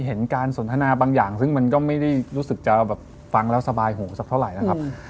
เห็นการสนทนาบางอย่างซึ่งมันก็ไม่ได้รู้สึกจะแบบฟังแล้วสบายหูสักเท่าไหร่นะครับ